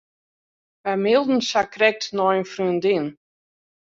Wy mailden sakrekt nei in freondin.